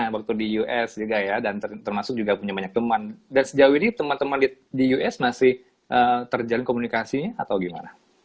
waktu di us juga ya dan termasuk juga punya banyak teman dan sejauh ini teman teman di us masih terjalin komunikasinya atau gimana